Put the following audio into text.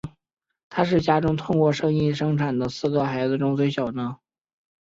他是家中透过婚姻生产的四个孩子中最小的。